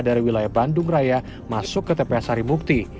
dari wilayah bandung raya masuk ke tps sari mukti